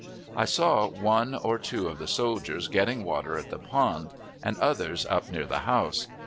I saw one or two of the soldiers getting water at the pond, and others up near the house.